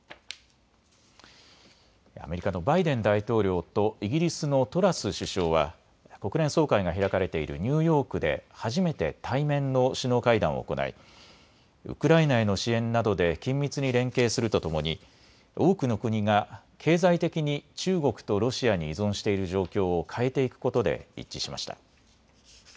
アメリカのバイデン大統領とイギリスのトラス首相は国連総会が開かれているニューヨークで初めて対面の首脳会談を行いウクライナへの支援などで緊密に連携するとともに多くの国が経済的に中国とロシアに依存している状況を変えていくことで一致しました。